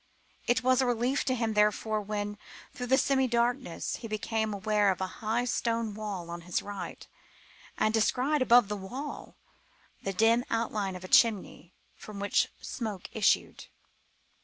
It was a relief to him, therefore, when, through the semi darkness, he became aware of a high stone wall on his right, and descried, above the wall, the dim outline of a chimney, from which smoke issued.